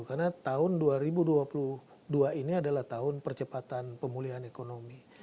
karena tahun dua ribu dua puluh dua ini adalah tahun percepatan pemulihan ekonomi